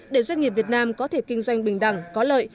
để doanh nghiệp việt nam có thể kinh doanh bình đẳng có lợi